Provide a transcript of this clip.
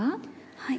はい。